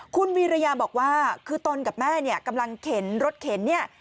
คุณวีรยาบอกว่าคือตนกับแม่เนี่ยกำลังเข็นรถเข็นเนี่ย